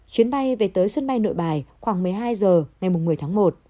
chuyến bay về tới sân bay nội bài khoảng một mươi hai h ngày một mươi tháng một